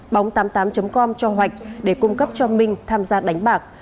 tổng công cho hoạch để cung cấp cho minh tham gia đánh bạc